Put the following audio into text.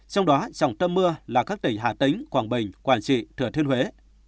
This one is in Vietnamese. trong đó trọng tâm mưa là các tỉnh hà tĩnh quảng bình quảng trị thừa thiên huế